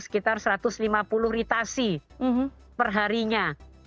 sekitar satu ratus lima puluh ritasi perharinya